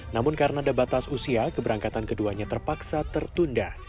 namun karena ada batas usia keberangkatan keduanya terpaksa tertunda